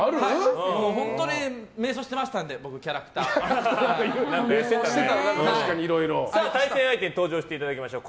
本当、迷走してましたんで対戦相手に登場していただきましょう。